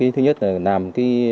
thứ nhất là làm